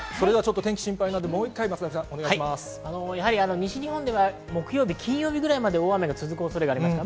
西日本では木曜日金曜日ぐらいまで大雨が続く恐れがあります。